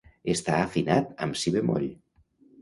Està afinat amb si bemoll.